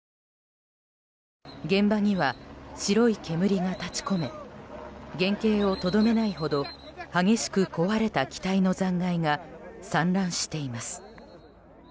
現場には白い煙が立ち込め原形をとどめないほど激しく壊れた機体の残骸が散乱しています。